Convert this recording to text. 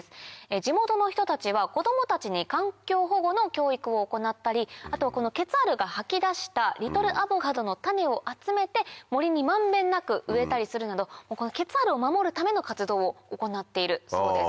地元の人たちは子供たちに環境保護の教育を行ったりあとはケツァールが吐き出したリトルアボカドの種を集めて森に満遍なく植えたりするなどこのケツァールを守るための活動を行っているそうです。